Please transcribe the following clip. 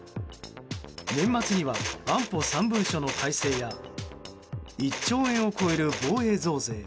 年末には安保３文書の改正や１兆円を超える防衛増税